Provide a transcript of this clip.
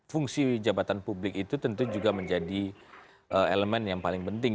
fungsi jabatan publik itu tentu juga menjadi elemen yang paling penting